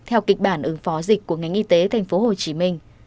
theo kịch bản ứng phó dịch của ngành y tế tp hcm